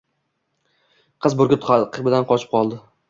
qiz burgut ta’qibidan qochib qoldi